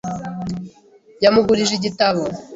Yamugurije igitabo .